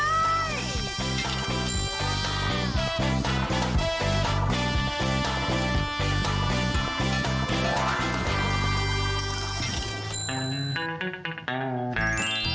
ชุมชนไหนมีของดีการันตีว่าชุมชนนั้นมีรายได้ให้โลกรู้